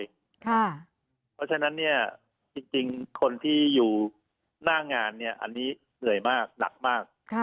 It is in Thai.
เพราะฉะนั้นจริงคนที่อยู่หน้างานเนี่ยอันนี้เหนื่อยมากหนักมาก